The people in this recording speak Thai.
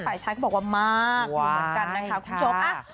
ฝ่ายชายก็บอกว่ามากอยู่เหมือนกันนะคะคุณผู้ชม